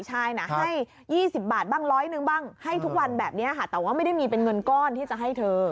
ชายให้๒๐บาทบ้างจะร้อยนึงบ้างให้ทุกวันแบบนี้แต่ไม่มีเป็นเงินก้อนที่จะให้เธอ